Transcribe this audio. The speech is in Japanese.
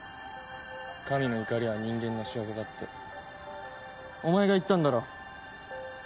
神の怒りは人間の仕業だってお前が言ったんだろ。